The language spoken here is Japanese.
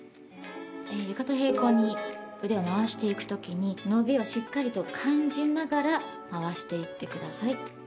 床と平行に腕を回していくときに伸びをしっかりと感じながら回していってください。